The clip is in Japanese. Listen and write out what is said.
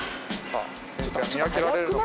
先生は見分けられるのか？